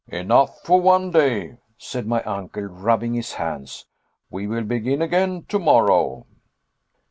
"Enough for one day," said my uncle, rubbing his hands, "we will begin again tomorrow."